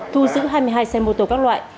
thu giữ hai mươi hai xe mô tô các loại